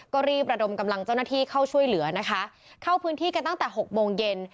ก็รีบระดมกำลังเจ้าหน้าที่เข้าช่วยเหลือนะคะเข้าพื้นที่กันตั้งแต่หกโมงเย็น